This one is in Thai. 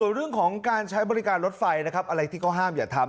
ส่วนเรื่องของการใช้บริการรถไฟนะครับอะไรที่เขาห้ามอย่าทำ